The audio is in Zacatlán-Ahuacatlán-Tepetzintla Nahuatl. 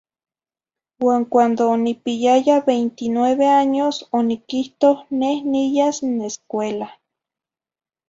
Uan cuando onipiyaya veintinueve años oniquihtoh, “Neh niyas in escuela."